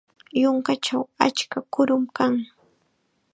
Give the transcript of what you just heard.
Yunkachaw achka kurum kan.